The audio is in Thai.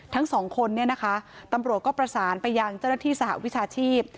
ทั้งสองคนเนี่ยนะคะตำรวจก็ประสานไปยังเจ้าหน้าที่สหวิชาชีพ